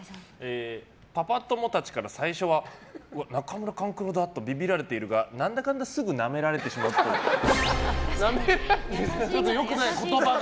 パパ友たちから最初は中村勘九郎だとビビられているがなんだかんだ良くない、言葉が。